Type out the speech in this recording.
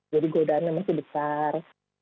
jadi godaannya masih besar